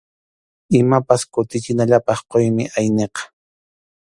Imapas kutichinallapaq quymi ayniqa.